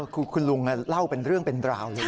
คือคุณลุงเล่าเป็นเรื่องเป็นราวเลย